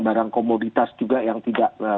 barang komoditas juga yang tidak